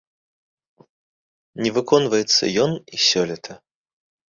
Не выконваецца ён і сёлета.